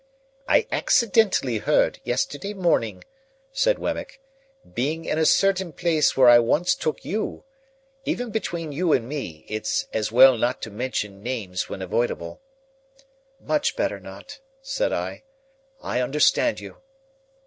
"I accidentally heard, yesterday morning," said Wemmick, "being in a certain place where I once took you,—even between you and me, it's as well not to mention names when avoidable—" "Much better not," said I. "I understand you."